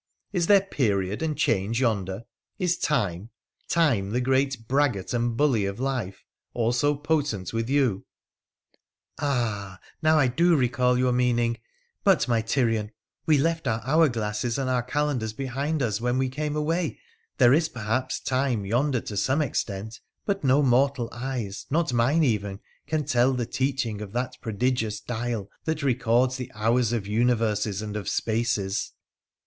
Is there period and change yonder ? Is Time — Time, the great braggart and bully of life, also potent with you ?'' Ah ! now I do recall your meaning ; but, my Tyrian, we left our hour glasses and our calendars behind us when we came away ! There is, perhaps, time yonder to some extent, but no mortal eyes, not mine even, can tell the teaching of that prodigious dial that records the hours of universes and of spaces.'